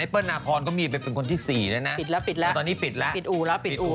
พ่อนอคปอนด์ก็มีเป็นเป็นคนที่สี่แล้วนะตอนนี้ปิดแล้วปิดอู่แล้ว